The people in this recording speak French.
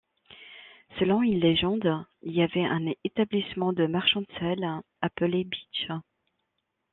Selon une légende, il y avait un établissement de marchands de sel appelé Bytch.